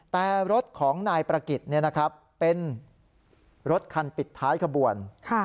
แต่รถของนายประกิจเป็นรถคันปิดท้ายขบวน